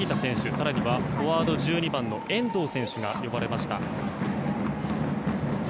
更にはフォワード、１２番の遠藤選手が呼ばれました。